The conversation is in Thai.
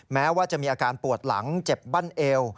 แม้ว่าจะมีอาการปวดหลังเจ็บบั้นเอว